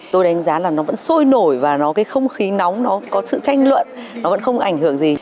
tôi đánh giá là nó vẫn sôi nổi và nó cái không khí nóng nó có sự tranh luận nó vẫn không ảnh hưởng gì